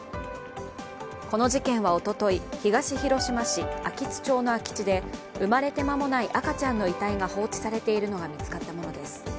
この事件はおととい、東広島市安芸津町の空き地で生まれて間もない赤ちゃんの遺体が放置されているのが見つかったものです。